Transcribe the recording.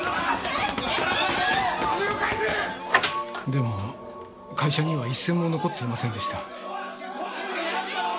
でも会社には一銭も残っていませんでした。